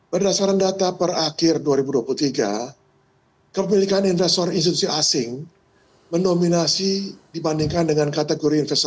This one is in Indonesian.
berdasarkan data per akhir dua ribu dua puluh tiga kepemilikan investor institusi asing mendominasi dibandingkan dengan kategori investasi